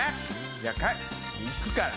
じゃかえ行くから。